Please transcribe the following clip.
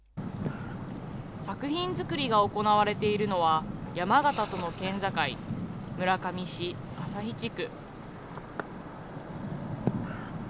作品作りが行われているのは、山形との県境、村上市朝日地区。